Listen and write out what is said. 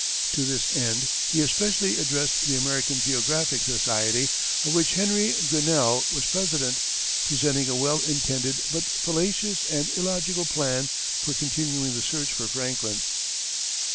To this end he especially addressed the American Geographic Society, of which Henry Grinnell was president, presenting a well intended but fallacious and illogical plan for continuing the search for Franklin.